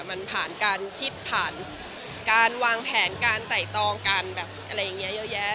มันผ่านการคิดผ่านการวางแผนการไต่ตองการแบบอะไรอย่างนี้เยอะแยะ